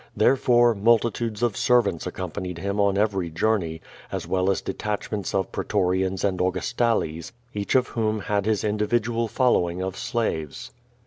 Therefore, mul titudes of servants accompanied him on every journey, as well as detachments of pretorians and Augustales, each of whom had his individual following of slaves.